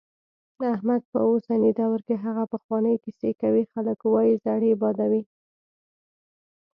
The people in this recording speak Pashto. احمد په اوسني دور کې هغه پخوانۍ کیسې کوي، خلک وايي زړې بادوي.